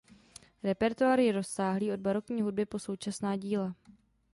Repertoár je rozsáhlý od barokní hudby po současná díla.